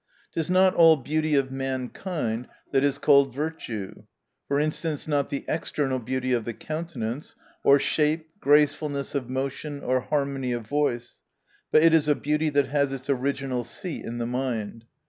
— It is not all beauty of mankind, that is called virtue ; for instance, not the external beauty of the countenance, or shape, gracefulness of motion, or harmony of voice : but it is a beauty that has its original seat in the mind.